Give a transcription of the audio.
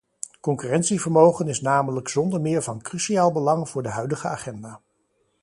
Concurrentievermogen is namelijk zonder meer van cruciaal belang voor de huidige agenda.